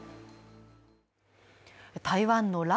台湾の頼